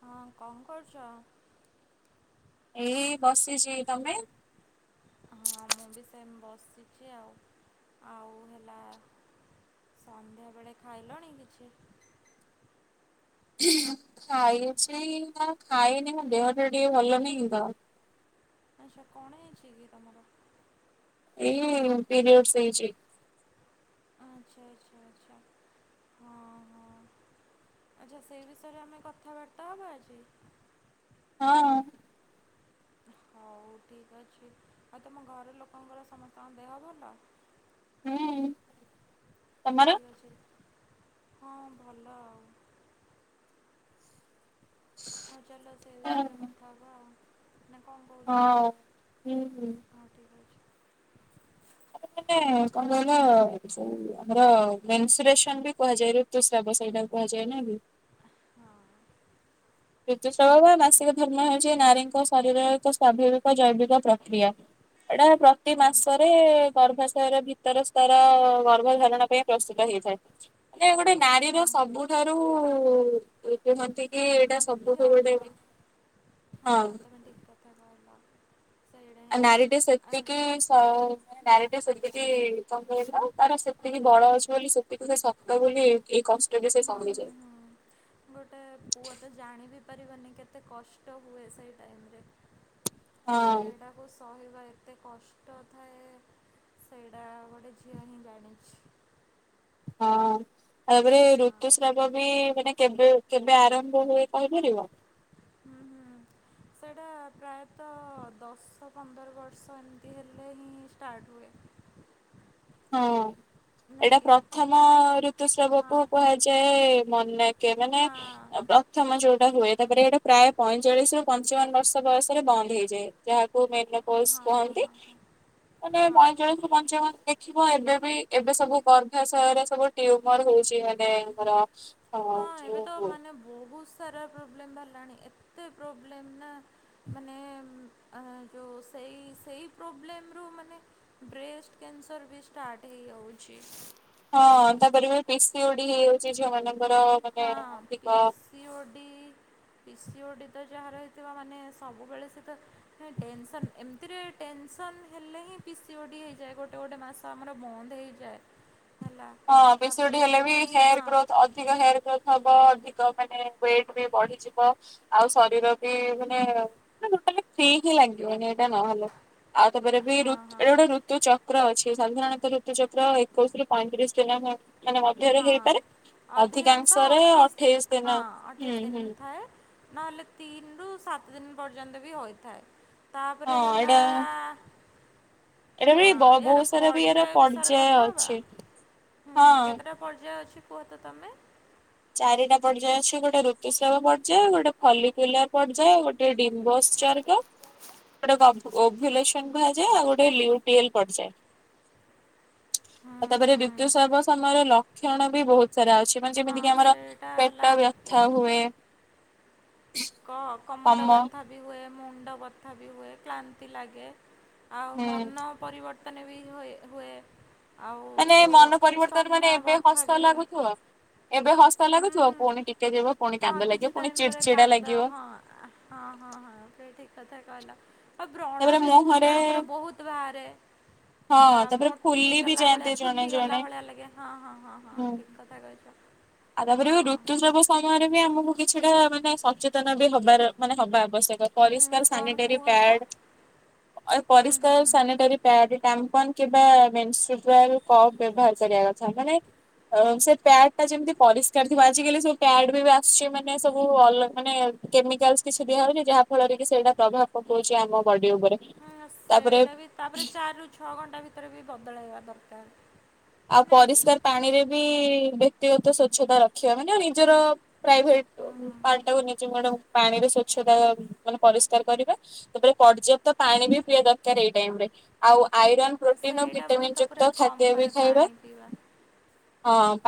ହଁ କଣ କରୁଛ? ଏଇ ବସିଛି ତମେ ହଁ ମୁଁ ବି ସେମ ବସିଛି ଆଉ ଆଉ ହେଲା ସନ୍ଧ୍ୟା ବେଳେ ଖାଇଲଣି କିଛି? ଖାଇଛି ନା ଖାଇନି ମ ଦେହ ଟା ଟିକେ ଭଲଲାଗୁନି ନାହିଁ ତ ଆଚ୍ଛା କଣ ହେଇଛି କି ତମର? ଏଇ ପିରିୟଡ ହେଇଛି। ଆଚ୍ଛା ଆଚ୍ଛା ଆଚ୍ଛା ହଁ ହଁ ଆଚ୍ଛା ସେଇ ବିଷୟରେ ଆମେ କଥାବାର୍ତ୍ତା ହେବା ଆଜି ହଁ ହଉ ଠିକ୍ ଅଛି ଆଉ ତମ ଘର ଲୋକଙ୍କର ସମସ୍ତଙ୍କ ଦେହ ଭଲ? ହୁଁ ହଁ ତମର? ଠିକ୍ ଅଛି ହଁ ଭଲ ଆଉ ହଁ ଚାଲୋ ସେଇ ବିଷୟରେ ହଁ କଥା ହବ ଆ ମେ କଣ କହୁଛ ହଁ, ହୁଁ। ହୁଁ। ହଁ ଠିକ ଅଛି। ଆ ମାନେ କଣ କହିଲ ଆମର ମେସରେସନ ବି କୁହାଯାଏ ଋତୁସ୍ରାବ ସେଇଟା କୁହାଯାଏ ନା ହଁ। ଆ ଋତୁସ୍ରବ ବା ମାସିକ ହୁଁ ଧର୍ମ ହେଉଛି ନାରୀଙ୍କ ଶରୀରର ଏକ ସଵାଭାବିକ ଜୈବିକ ପ୍ରକ୍ରିୟା ଏଇଟା ପ୍ରତି ହୁଁ ମାସରେ ଗର୍ଭାଶୟର ଭିତର ସ୍ତର ଗର୍ଭ ଧାରଣ ପାଇଁ ପ୍ରସ୍ତୁତ ହେଇଥାଏ ମାନେ ଗୋଟେ ନାରୀର ହୁଁ ସବୁଠାରୁ ଏନ୍ତି କି ଏଇଟା ହ ସବୁଠୁ ଗୋଟେ ହଁ ହଁ ଆଉ ହଁ ତମେ ଦିକତବା ଆ ନାରୀଟି ସେତିକି ସ ନାରୀଟା ସେତିକି କମହଥିଲା ଆଉ ତାର ସେତିକି ବଡ ଅଛି ବୋଲି ସେତିକି ସେ ସ ତ ବୋଲି ଏଇ କଷ୍ଟରେ ବି ସେ ସହିଛି। ହୁଁ ହୁଁ ଗୋଟେ ପୁଅ ତ ଜାଣି ବି ପାରିବନି କେତେ କଷ୍ଟ ହୁଏ ସେଇ ଟାଇମରେ। ହଁ ସେଇଟାକୁ ସେ ସହିବା ଏତେ କଷ୍ଟ ଥାଏ ସେଇଟା ଗୋଟେ ଝିଅ ହିଁ ଜାଣିଛି। ହଁ। ତାପରେ ଋତୁସ୍ରାବ ବି ମାନେ କେବେ କେବେ ଆରମ୍ଭ ହୁଏ କହିପାରିବ। ହୁଁ ହୁଁ ସେଇଟା ପ୍ରାୟତଃ ଦଶ ପନ୍ଦର ବର୍ଷ ଏମିତି ହେଲେ ହିଁ ଷ୍ଟାର୍ଟ ହୁଏ। ହଁ ଏଇଟା ନାଇଁ କି ପ୍ରଥମ ଋତୁସ୍ରାବକୁ ହଁ କୁହାଯାଏ ମନା କେ ମାନେ ହଁ ଏ ପ୍ର ଥମ ଯୋଉଟା ହୁଏ ତାପରେ ହେଟା ପ୍ରାୟ ପଇଁଚାଳିଶିରୁ ପଞ୍ଚାବନ ବର୍ଷ ବୟସରେ ବନ୍ଦ ହେଇଯାଏ। ଯାହାକୁ ମେନ ପସ୍ ହଁ ହଁ କୁହନ୍ତି ହଁ ହଁ ମାନେ ହଁ। ପଇଁଚାଳିଶ୍ ରୁ ପଞ୍ଚାବନ ଦେଖିବ ଏବେ ବି ଏବେ ସବୁ ଗର୍ଭାଶୟରେ ସବୁ ଟ୍ୟୁମର୍ ହଉଚି ଏ ଦେଙ୍କର ହଁ ଯୋଉ ବୋହୁତ ସାରା ପ୍ରୋବ୍ଲେମ୍ ବାହାରିଲାଣି ଏତେ ପ୍ରୋବ୍ଲେମ୍ ନାଁ ମାନେ ଅ ଯୋଉ ସେଇ ସେଇ ପ୍ରୋବ୍ଲେମ୍ ରୁୁ ମାନେ ବ୍ରେଷ୍ଟ୍ କ୍ୟାନସର୍ ବି ଷ୍ଟାର୍ଟ ହେଇଆଉଛି। ହଁ ତାପରେ ପି ସି ଓ ଡି ହେଇଆଉଚି ଝିଅମାନଙ୍କର। ହଁ P C O D P C O D ତ ଯାହାର ହେଇଥିବ ମାନେ ସବୁବେଳେ ସେ ତ ହେଁ ଟେନସନ୍ ଏମତିରେ ଟେନସନ୍ ହେଲେ ହିଁ ପି ସି ଓ ଡି ହେଇଯାଏ ଗୋଟେ ଗୋଟେ ମାସ୍ ତ ଆମର ବନ୍ଦ ହେଇଯାଏ। ହେଲା ହଁ ପି ସି ଓ ଡ଼ି ତାପରେ ହେଲେ ବି ପୁଣି ହେୟାର୍ ହଁ ଗ୍ରୋଥ୍ ଅ ଧିକ ହେୟାର୍ ଗ୍ରୋଥ୍ ହବ ଅଧିକ ମାନେ ୱେଟ୍ ବି ବଢି଼ଯିବ। ଆଉ ଶରୀର ବି ମାନେ ନା ଟୋଟାଲି ଫ୍ରି ହିଁ ଲାଗିବନି ଏଇଟା ନହେଲେ। ଆଉ ତାପରେ ବି ଋ ଏଟା ଗୋଟେ ଋତୁ ଚକ୍ର ଅଛି ସାଧାରଣତଃ ଋତୁ ଚକ୍ର ଏକୋଉଶିରୁ ପଇଁତିରିଶ୍ ଦିନ ହୁଏ। ହଁ ଅଧିକାଂଶ ଅଧିକାଂଶରେ ଅଠେଇଶ ଅଠେଇଶି ଦିନ ହଁ ହୁଁ ଅଠେଇଶ ହୁଁ ଦିନ ଥାଏ। ନହେଲେ ତିନିରୁ ସାତ ଦିନ ପର୍ଯ୍ୟନ୍ତ ବି ହୋଇଥାଏ। ହଁ ତାପରେ ହେଲା ଏଇଟା ଏଇଟା ବି ହଁ ବ ଏହାର ବହୁତ ସାରା ବି ଏର ପର୍ଯ୍ୟାୟ ବିଷୟରେ ପର୍ଯ୍ୟାୟ କଥା ହବା? ଅଛି ହୁଁ। ହଁ। ରା ପର୍ଯ୍ୟାୟ ଅଛି କୁହ ତ ତମେ। ଚାରିଟା ପର୍ଯ୍ୟାୟ ଅଛି ଗୋଟେ ଋତୁସ୍ରାବ ପର୍ଯ୍ୟାୟ ଗୋଟେ ଫଲି କୁଇଲାର ପର୍ଯ୍ୟାୟ ଗୋଟେ ଡିମ୍ବୋଶ୍ଚର୍ ତ ଗୋଟେ କ ଓଭ୍ୟୁଲେସନ୍ କୁହାଯାଏ ଆଉ ଗୋଟେ ଲିଉଟିଏଲ୍ ପର୍ଯ୍ୟାୟ। ଆଉ ହୁଁ ତାପରେ ହୁଁ ଋତୁସ୍ରାବ ସମୟର ଲକ୍ଷଣ ବି ବୋହୁତ ସାରା ଅଛି ମାନେ ଯେମିତି କି ହଁ ଆମର ସେଇଟା ହେଲା ପେଟ ବ୍ୟଥା ହୁଏ। କହ କମର କମ ବ୍ୟଥା ବି ହୁଏ, ମୁଣ୍ଡ ବଥା ବି ହୁଏ, କ୍ଳାନ୍ତି ଲାଗେ। ଆଉ ହୁଁ ମନ ପରିବର୍ତ୍ତନ ବି ହୋଏ ହୁଏ। ଆଉ ମାନେ ଯେଉଁ ମନ ପରିବର୍ତ୍ତନ ସ୍ତନ୍ୟ ମାନେ ଏବେ ବଥା ବି ହସ ହୁଏ ଲାଗୁଥୁବ ଏବେ ହସ୍ତ ହୁଁ ଲାଗୁଥୁବ ହୁଁ। ପୁଣି ଟିକେ ଯିବ ପୁଣି ହଁ କାନ୍ଦ ଲାଗିବ କିଛି ପୁଣି ଟାଇମ୍ ପରେ ଚିଡଚିଡା କାନ୍ଦ ଲାଗିବ। ହଁ ହଁ ହଁ ହଁ ସେ ଠିକ୍ କଥା କହିଲ। ଆଉ ବ୍ରଣ ତାପରେ ବି ବୋହୁତ ମୁହଁରେ ଜଣଙ୍କର ବୋହୁତ ବାହାରେ। ହଁ ହେଲା ତାପରେ ମୋଟି ଫୁଲି ବି ହେଇଗଲା ଭଳିଆ ଯାଆନ୍ତି ଜଣେ ଫୁଲି ଗଲା ଜଣେ ଭଳିଆ ଲାଗେ ହଁ ହଁ ହଁ ହଁ ହୁଁ। ଠିକ୍। କଥା କହିଚ। ଆଉ ତାପରେ ବି ଋତୁସ୍ରାବ ସମୟରେ ବି ଆମୁକୁ କିଛିଟା ମାନେ ସଚେତନ ବି ହବାର ମାନେ ହବା ଆବଶ୍ୟକ। ହୁଁ ପରିଷ୍କାର କଣ ସାନିଟେରି କୁହ ତ ପ୍ୟାଡ଼୍ ଅ ଏ ହୁଁ ହୁଁ ପରିଷ୍କାର ହୁଁ। ସାନିଟାରୀ ପ୍ୟାଡ଼୍ ଟ୍ୟାମ୍ପନ୍ କିମ୍ବା ମେନଷ୍ଟ୍ରୁପ୍ରୁଆଲ୍ କପ୍ ବ୍ୟବହାର କରିବା କ ଥା ମାନେ ଅ ସେ ପ୍ୟାଡ଼୍ ଟା ଯେମିତି ପରିଷ୍କାର ଥିବ ଆଜିକାଲି ସବୁ ପ୍ୟାଡ଼୍ ବି ଏବେ ଆସୁଚି ମାନେ ସବୁ ଅଲ୍ ମାନେ କେମିକାଲସ୍ କିଛି ଦିଆହଉନେଇ ଯାହା ଫଳରେ କି ସେଇଟା ପ୍ରଭାବ ପକଉଚି ଆମ ବଡ଼ି ଓପରେ। ହଁ ସେଇଟା ବି ତାପରେ ଚାରିରୁ ଛଅ ଘଣ୍ଟା ଭିତରେ ବି ବଦଳେଇବା ଦରକାର। ଆଉ ନାଇଁ କି? ପରିଷ୍କାର ପାଣିରେ ବି ବ୍ୟକ୍ତିଗତ ସ୍ଵଚ୍ଛତା ରଖିବା ମାନେ ନିଜର ପ୍ରାଇଭେଟ୍ ହୁଁ ହୁଁ ହୁଁ ପାର୍ଟଟାକୁ ନିଜେ ମାଡ଼ାମ୍ ପାଣିରେ ସ୍ଵଚ୍ଛତା ମାନେ ପରିଷ୍କାର କରିବା। ତ ପରେ ପର୍ଯ୍ୟାପ୍ତ ପାଣି ବି ପିଇବା ଦରକାର ଏଇ ଟାଇମ୍ ରେ। ଆଉ ଆଇରନ୍ ପ୍ରୋଟିନ୍ ଆଉ ସେଇଟା ମୁଁ ଭିଟାମିନ୍ ତ ଯୁକ୍ତ ପୁରା କମ୍ ଖାଦ୍ୟ ବି କରେ ଖାଇବା। ପାଣି ପିଇବା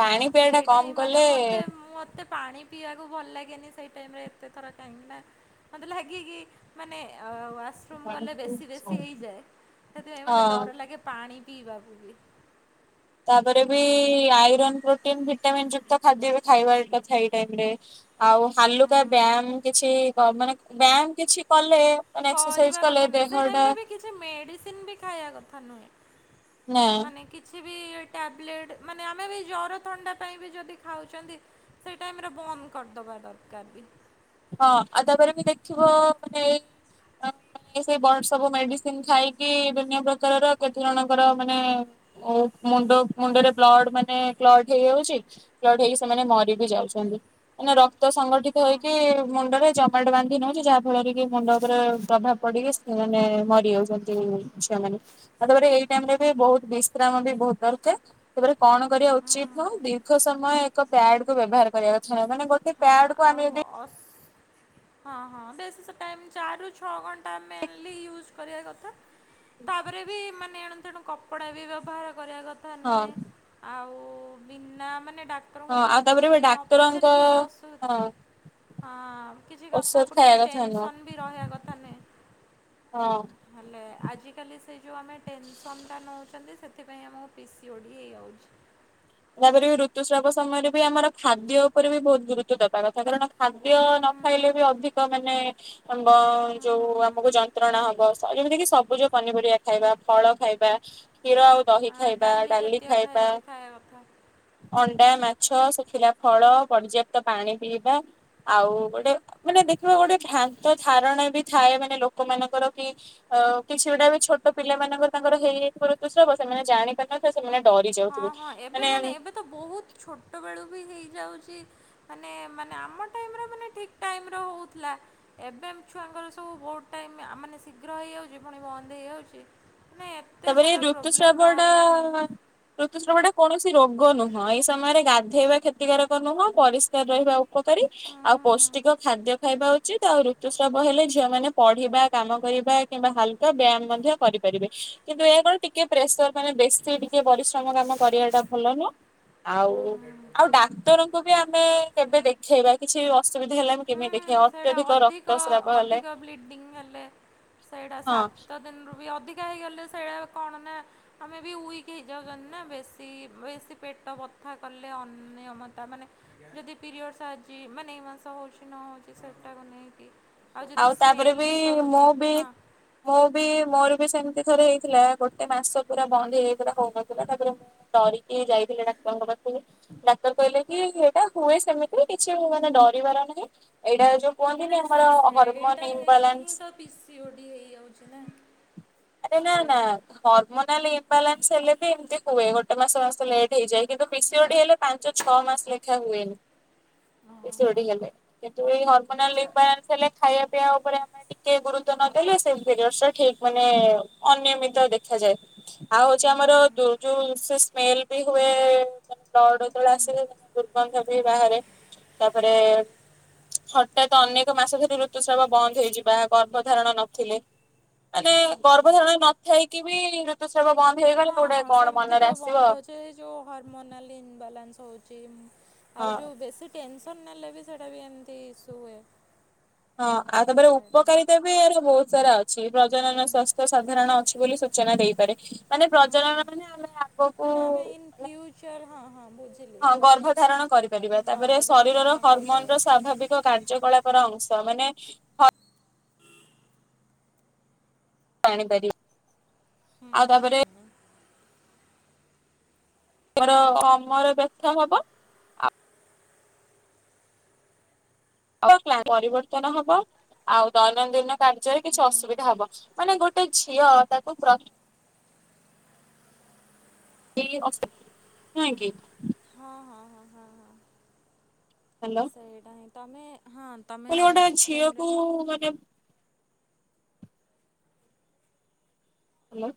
ପାଣି ପିଇବା ଟା ସେଇଟା କମ ହିଁ ମାନେ କଲେ ମୋତେ ମତେ ପାଣି ପିଇବାକୁ ଭଲ ଲାଗେନି ସେଇ ଟାଇମ୍ ରେ ଏତେ ଥର କାହିଁକି ନା ମତେ ଲାଗେ କି ମାନେ ଅ ୱାସରୁମ୍ ଗଲେ ହଁ ବେଶୀ ବେଶୀ ହେଇଯାଏ ସେଥିପାଇଁ ମୋତେ ଡର ଲାଗେ ପାଣି ପିଇବାକୁ ବି। ତାପରେ ବି ଆଇରନ୍ ପ୍ରୋଟିନ ଭିଟାମିନ୍ ଯୁକ୍ତ ଖାଦ୍ୟ ବି ଖାଇବା କଥା ଏଇ ଟାଇରେ ଆଉ ହାଲୁକା ବ୍ୟାୟାମ କିଛି କ ମାନେ ବ୍ୟାୟାମ କିଛି କଲେ ମାନେ ଏକ୍ସରସାଇଜ କରିବା କଲେ କଥା ନୁହେଁ ସେଇ ଦେହଟା ଟାଇମରେ ବି କିଛି କିଛି ମେଡିସିନ ବି ଖାଇବା କଥା ନୁହେଁ। ନାଇଁ ମାନେ କି କିଛି ବି ଟ୍ୟାବଲେଟ୍ ମାନେ ଆମେ ବି ଜର ଥଣ୍ଡା ପାଇଁ ବି ଯଦି ଖାଉଚନ୍ତି ସେଇ ଟାଇମରେ ବନ୍ଦ କରିଦବା ଦରକାର ବି। ହଁ ଆଉ ତାପରେ ବି ଦେଖିବ ମାନେ ଏଇ ସେ ବଡ ସବୁ ମେଡିସିନ ଖାଇକି ଦୁନିଆ ପ୍ରକାରର କେତେ ଜଣଙ୍କର ମାନେ ଓ ମୁଣ୍ଡ ମୁଣ୍ଡରେ ବ୍ଲଡ ମାନେ କ୍ଲଟ ହେଇଯାଉଚି କ୍ଲଟ ହେଇକି ସେମାନେ ମରି ବିି ଯାଉଚନ୍ତି। ମାନେ ରକ୍ତ ସଂଗଠିତ ହଁ ହେଇକି ହଁ। ମୁଣ୍ଡରେ ଜମାଟ ବାନ୍ଧି ନେଉଚି ଯାହା ଫଳରେ କି ମୁଣ୍ଡ ଉପରେ ପ୍ରଭାବ ପଡିକି ସେମାନେ ମରି ଯାଉଚନ୍ତି ଝିଅମାନେ। ତାପରେ ଏଇ ଟାଇମରେ ବି ବହୁତ ବିଶ୍ରାମ ବି ବହୁତ ଦରକାର। ତାପରେ କଣ କରିବା ଉଚିତ ନୁହଁ? ଦୀର୍ଘ ସମୟ ଏକ ପ୍ୟାଡ କୁ ବ୍ୟବହାର କରିବା କ ଥା ମାନେ ଗୋଟେ ହଁ ପ୍ୟାଡକୁ ଆଉ ଆମେ ଯଦି ଅସ୍ ହଁ ହଁ ବେଶୀ ସେ ଟାଇମ ଚାରି ରୁ ଛଅ ଘଣ୍ଟା ମେନ୍‌ଲି ୟୁଜ କରିବା କଥା ତାପରେ ବି ମାନେ ଏଣୁ ତେଣୁ କପଡ଼ା ବି ବ୍ୟବହାର କରିବା କଥା ହଁ ନୁହେଁ। ଆଉ ବିନା ମାନେ ଡା ହଁ ଆଉ ତାପରେ ଏ ଡାକ୍ତରଙ୍କ ଅସୁ ହଁ। ହଁ କିଛି ଔଷଧ କଥାକୁ ଖାଇବା ନେଇକି କଥା ନୁହଁ। ଟେନସନ ବି ରହିବା କଥା ନୁହେଁ। ହଁ। ହେଲେ ଆଜିକାଲି ସେ ଯଉ ଆମେ ଟେନସନ୍ ଟା ନଉଚନ୍ତି ସେଥିପାଇଁ ଆମକୁ ପି ସିି ଓ ଡ଼ି ହେଇଯାଉଚି। ତାପରେ ଋତୁସ୍ରାବ ସମୟରେ ବି ଆମର ଖାଦ୍ୟ ଉପରେ ବି ବହୁତ ଗୁରୁତ୍ୱ ଦବା କଥା। କାରଣ ଖାଦ୍ୟ ହୁଁ ହୁଁ ନ ହୁଁ ଖାଇଲେ ବି ଅଧିକ ମାନେ ବ ହୁଁ ଯୋଉ ହୁଁ। ଆମକୁ ଜ ନ୍ତ୍ରଣା ହବ ଯେମିତି କି ସବୁଜ ପନିପରିବା ଖାଇବା ଫଳ ଖାଇବା କ୍ଷୀର ଆଉ ଦହି ହଁ ଖାଇବା ଡାଲି ଜାତୀୟ ଖାଇବା ବି ଖାଇବା କଥା। ଅଣ୍ଡା ମାଛ ସୁଖିଲା ଫଳ ପର୍ଯ୍ୟାପ୍ତ ପାଣି ପିଇବା। ଆଉ ଗୋଟେ ମାନେ ଦେଖିବ ଗୋଟେ ଭ୍ରାନ୍ତ ଧାରଣା ବି ଥାଏ ମାନେ ଲୋକ ମାନଙ୍କର କି ଆ କିଛି ଗୁଡା ବି ଛୋଟ ପିଲାମାନଙ୍କ ତାଙ୍କର ହେଇଯାଇଥିବ ଋତୁସ୍ରାବ ସେମାନେ ଜାଣିପାରୁନାହିଁନ୍ତି ସେମାନେ ଡରି ହଁ ଯାଉଥିବେ ହଁ ଏବେ ମାନେ ଏବେ ତ ବହୁତ ଛୋଟ ବେଳୁ ବି ହେଇଯାଉଚି ମାନେ ମାନେ ଆମ ଟାଇମ ମାନେ ଠିକ ଟାଇମର ହଉଥିଲା। ଏବେ ଛୁଆଙ୍କର ସବୁ ବହୁତ ଟାଇମ ମାନେ ଶୀଘ୍ର ହେଇଯାଉଚି ପୁଣି ବନ୍ଦ ହେଇଯାଉଚି [unintelligible] ତାପରେ ଏ ଋତୁସ୍ରାବଟା ବାହାରିଲାଣି। ଋତୁସ୍ରାବଟା କୌଣସି ରୋଗ ନୁହଁ। ଏଇ ସମୟରେ ଗାଧେଇବା କ୍ଷତିକାରକ ନୁହଁ ପରିଷ୍କାର ରହିବା ଉପକାରୀ ହୁଁ। ଆଉ ହୁଁ ହୁଁ। ପୌଷ୍ଟିକ ଖାଦ୍ୟ ଖାଇବା ଉଚିତ ଆଉ ଋତୁସ୍ରାବ ହେଲେ ଝିଅମାନେ ପଢିବା କାମ କରିବା କିମ୍ବା ହାଲକା ବ୍ୟାୟାମ ମଧ୍ୟ କରିପାରିବେ କିନ୍ତୁ ଏହା କଣ ଟିକେ ପ୍ରେସର ମାନେ ବେଶୀ ଟିକେ ପରିଶ୍ରମ କାମ କରିବା ଟା ଭଲ ନୁହଁ। ଆଉ ଆଉ ଡାକ୍ତରଙ୍କୁ ବି ଆମେ କେବେ ଦେଖେଇବା କିଛି ଅସୁବିଧା ହେଲେ ଆମେ ହୁଁ କେମିତି ଦେଖେଇବା ହୁଁ ସେଇଟା ଅତ୍ୟଧିକ ଅଧିକ ରକ୍ତସ୍ରାବ ହେଲେ ଅଧିକ ବ୍ଲିଡ଼ିଙ୍ଗ ହେଲେ ସେଇଟା ହଁ ସାତ ଦିନରୁ ବି ଅଧିକା ହେଇଗଲେ ସେଇଟା କଣ ନା ଆମେ ବି ୱିକ ହେଇଯାଉଚନ୍ତି ନା ବେଶୀ ବେଶୀ ପେଟ ବଥା କଲେ ଅନିୟମତା ମାନେ ଯଦି ପିରିୟଡସ ଆଜି ମାନେ ଏ ମାସ ହଉଚି ନ ହଉଚି ସେଟାକୁ ନେଇକି ଆଉ ଯଦି ତାପରେ ସ୍ମେଲ୍ ବି ମୁଁ କରୁଚି ବି ହଁ। ମୁଁ ବି ମୋର ବି ସେମ୍ତି ଥରେ ହେଇଥିଲା, ଗୋଟେ ମାସ ପୁରା ବନ୍ଦ ହେଇଯାଇଥିଲା ହଉନଥିଲା ତାପରେ ମୁଁ ଡରିକି ଯାଇଥିଲି ଡାକ୍ତରଙ୍କ ପାଖୁକୁ। ଡାକ୍ତର୍ କହିଲେ କି ଏଇଟା ହୁଏ ସେମିତି କିଛି ମାନେ ଡରିବାର ନାହିଁ, ଏଇଟା ଯୋଉ କୁହନ୍ତିନି ଆମର ଏଇଟା ହରମୋନ ହେଇକି ହିଁ ଇମ୍ବାଲାନ୍ସ ତ ପିସି ଓଡି ହେଇଯାଉଚି ନା। ଆରେ ନା-ନା। ସେଇଟା ହର୍ମୋନାଲ୍ ଇମବାଲାନ୍ସ ହେଲେ ବି ଏମ୍ତି ହୁଏ, ଗୋଟେ ମାସ-ମାସ ଲେଟ୍ ହେଇଯାଏ କିନ୍ତୁ ପିସିଓଡି ହେଲେ ପାଞ୍ଚ ଛଅ ମାସ୍ ଲେଖା ହୁଏନି। ହଁ ପିସିଓଡି ହେଲେ, କିନ୍ତୁ ଏଇ ହର୍ମୋନାଲ୍ ଆଚ୍ଛା ଇନବାଲାନ୍ସ ହେଲେ ଖାଇବା ପିଇବା ଉପରେ ଆମେ ଟିକେ ଗୁରୁତ୍ୱ ନ ଦେଲେ ସେ ପିରିୟଡସ୍ ଠିକ୍ ମାନେ ମାନେ ଅନିୟମିତ ଦେଖାଯାଏ, ଆଉ ହଉଛି ହୁଁ ଆମର ଯୋଉ ସେ ସ୍ମେଲ୍ ବି ହୁଏ ବ୍ଲଡ ଯେତେବେଳେ ଆସେ ଦୁର୍ଗନ୍ଧ ବି ବାହାରେ, ତାପରେ ହଠାତ୍ ଅନେକ ମାସ ଧରି ଋତୁସ୍ରାବ ବନ୍ଦ ହେଇଯିବା ଗର୍ଭଧାରଣ ନଥିଲେ। ମାନେ ହୁଁ ଆଚ୍ଛା ଗର୍ଭଧାରଣ ନଥାଇକି ବି ଋତୁସ୍ରାବ ବନ୍ଦ ହେଇଗଲେ ହଁ ଗୋଟାଏ ହଁ କଣ ସେମିତି ମନରେ ତ ଆସିବ। ବନ୍ଦ ହେଉଛି ଏଇ ଯେଉଁ ହର୍ମୋନାଲ୍ ଇନବାଲାନ୍ସ ହଉଚି ହଁ ଆଉ ଯୋଉ ବେଶୀ ଟେନ୍ସନ୍ ନେଲେ ବି ସେଇଟା ବି ଏମ୍ତି ଇସୁ ହୁଏ। ହଁ ଆଉ ତାପରେ ସେଇଟା ଉପକାରିତା ବି ଆର ବହୁତ୍ ସାରା ଅ ଛି, ହୁଁ ହୁଁ ପ୍ରଜନନ ସ୍ୱାସ୍ଥ୍ୟ ସାଧାରଣ ଅଛି ବୋଲି ସୂଚନା ଦେଇପାରେ। ମାନେ ହୁଁ ହୁଁ ପ୍ରଜନନ ମାନେ ଆମେ ଆଗକୁ ମାନେ ଆମେ ଇନ୍ ମାନେ ଫ୍ୟୁଚର୍ ହଁ-ହଁ ବୁଝି ହଁ ଗର୍ଭ ଧାରଣ କରିପାରିବା, ତାପରେ ଶରୀରର ଗର୍ଭଧାରଣ ହର୍ମୋନ୍ କରିପାରିବା ର ସ୍ୱାଭାବିକ୍ କାର୍ଯ୍ୟକଳାପର ଅଂଶ, ମାନେ ଜାଣିପାରିବା, ହୁଁ ଆଉ ହୁଁ ତାପରେ [unintelligible] କମର ବ୍ୟଥା ହବ। [unintelligible] ପରିବର୍ତ୍ତନ ହବ। ଆଉ ଦୈନନ୍ଦିନ କାର୍ଯ୍ୟରେ କିଛି ହୁଁ ହୁଁ ଅସୁବିଧା ହବନି, ମାନେ ଗୋଟେ ଝିଅ ତାକୁ ପ୍ର [unintelligible] ନୁହେଁ କି? ହଁ ହଁ ହଁ ହଁ ହଁ ହାଲୋ। ସେଇଟା ହିଁ ତମେ ହଁ ତମେ ଗୋଟେ ଠିକ୍ ଟାଇମରେ ଝିଅକୁ ମାନେ ହାଲୋ।